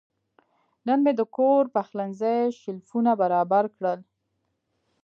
نن مې د کور پخلنځي شیلفونه برابر کړل.